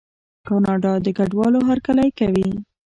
کاناډا د کډوالو هرکلی کوي.